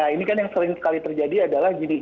ini kan yang sering sekali terjadi adalah gini